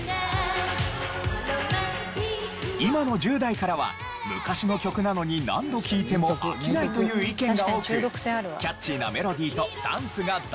今の１０代からは昔の曲なのに何度聴いても飽きないという意見が多くキャッチーなメロディーとダンスが斬新と映ったようです。